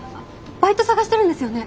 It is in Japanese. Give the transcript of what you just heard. バイト探してるんですよね？